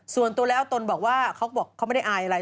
ส่วนตัวแล้วตนบอกว่าเขาก็บอกเขาไม่ได้อายอะไร